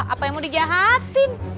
apa yang mau dijahatin